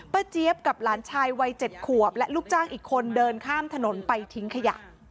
เจี๊ยบกับหลานชายวัย๗ขวบและลูกจ้างอีกคนเดินข้ามถนนไปทิ้งขยะ